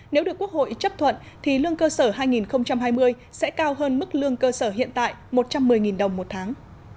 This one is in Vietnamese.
nếu được quốc hội chấp thuận thì lương cơ sở hai nghìn hai mươi sẽ cao hơn mức lương cơ sở hiện tại một trăm một mươi đồng một tháng